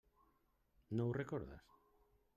No ho recordes?